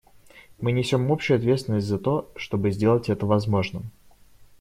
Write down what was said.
Мы несем общую ответственность за то, чтобы сделать это возможным.